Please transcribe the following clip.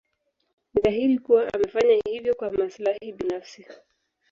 Ni dhahiri kuwa amefanya hivyo kwa maslahi binafsi.